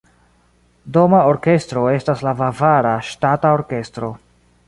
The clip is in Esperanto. Doma orkestro estas la Bavara Ŝtata Orkestro.